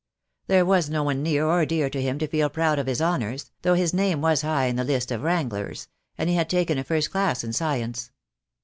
There was no one near or dear to him to feel proud of his honours, though his name was high in the list of Wranglers, and he had taken a first class in science.